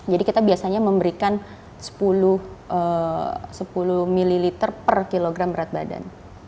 jadi kita biasanya memberikan sepuluh ml per kilogram berat badan